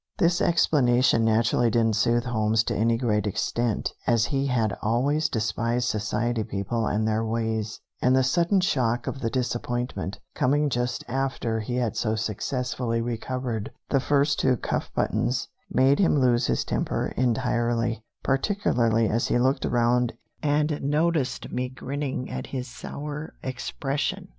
This explanation naturally didn't soothe Holmes to any great extent, as he had always despised society people and their ways, and the sudden shock of the disappointment, coming just after he had so successfully recovered the first two cuff buttons, made him lose his temper entirely, particularly as he looked around and noticed me grinning at his sour expression.